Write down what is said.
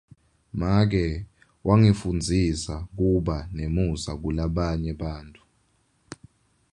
Make wangifundzisa kuba nemusa kulabanye bantfu.